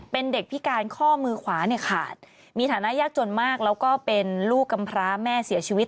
เป็นเด็กพิการข้อมือขวาเนี่ยขาดมีฐานะยากจนมากแล้วก็เป็นลูกกำพร้าแม่เสียชีวิต